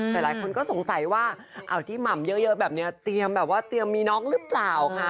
แต่หลายคนก็สงสัยว่าเอาที่หม่ำเยอะแบบนี้เตรียมแบบว่าเตรียมมีน้องหรือเปล่าค่ะ